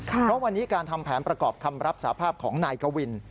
เพราะวันนี้การทำแผนประกอบคำรับสาภาพของนายกวิน